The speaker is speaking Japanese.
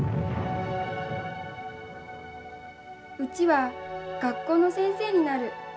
うちは学校の先生になる絶対に。